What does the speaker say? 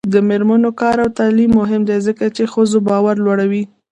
د میرمنو کار او تعلیم مهم دی ځکه چې ښځو باور لوړوي.